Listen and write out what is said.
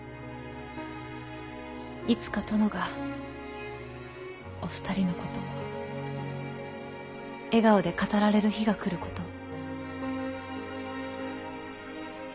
いつか殿がお二人のことを笑顔で語られる日が来ることを。